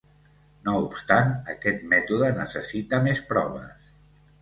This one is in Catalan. No obstant, aquest mètode necessita més proves.